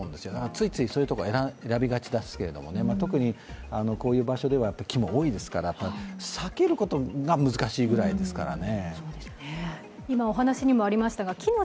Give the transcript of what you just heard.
ついついそういうところを選びがちですけれども特にこういう場所では木が多いですから、避けることが難しいくらいですからね。